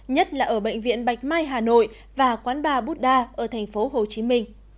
nhất là ở bệnh viện bạch mai hà nội và quán ba bút đa ở tp hcm